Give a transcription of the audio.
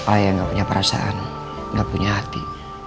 ayah gak punya perasaan gak punya hati